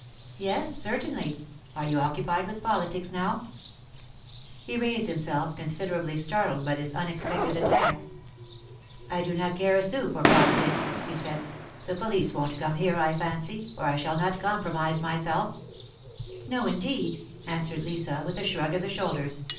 Yes, certainly. Are you occupied with politics now ?" He raised himself, considerably startled by this unex pected attack. I do not care a sou for politics," he said. The police won't come here, I fancy, for I shall not compromise myself —" 178 THE MARKETS OF PARIS. indeed," answered Lisa, with a shrug of the shoulders.